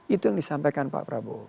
itu yang disampaikan pak prabowo